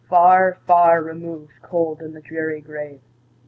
Far, far removed, cold in the dreary grave!